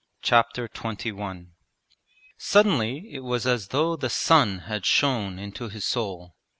Chapter XXI Suddenly it was as though the sun had shone into his soul.